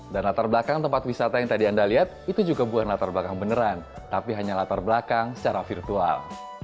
dan latar belakang tempat wisata yang tadi anda lihat itu juga bukan latar belakang beneran tapi hanya latar belakang secara virtual